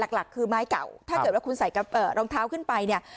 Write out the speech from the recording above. หลักคือไม้เก่าถ้าเกิดว่าคุณใส่รองเท้าขึ้นไปเนี่ย